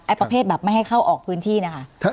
ประเภทแบบไม่ให้เข้าออกพื้นที่นะคะ